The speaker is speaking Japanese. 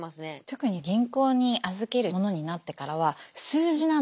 特に銀行に預けるものになってからは数字なんですよね。